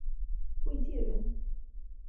卫玠人。